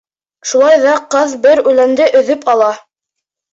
Шулай ҙа ҡаҙ бер үләнде өҙөп ала.